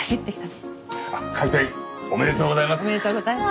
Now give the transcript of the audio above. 開店おめでとうございます。